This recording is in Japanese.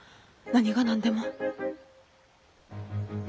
何が何でも。